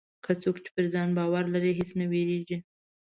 څوک چې پر ځان باور لري، هېڅ نه وېرېږي.